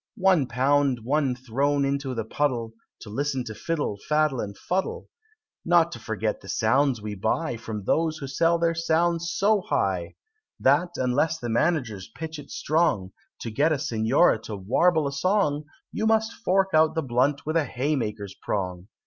One pound one thrown into the puddle, To listen to Fiddle, Faddle, and Fuddle! Not to forget the sounds we buy From those who sell their sounds so high, That, unless the Managers pitch it strong, To get a Signora to warble a song, You must fork out the blunt with a haymaker's prong!